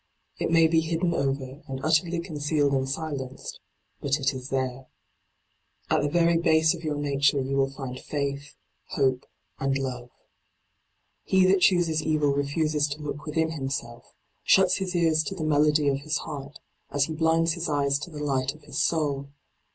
It may be hidden over and utterly concealed and silenced — but it is there. At the very base of your nature you will find faith, hope, and love. He that chooses evil refuses to look within himself, shuts his ears to the melody of his heart, as he blinds his eyes to the light of his soul.